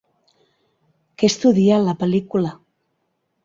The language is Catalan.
Què estudia la pel·lícula?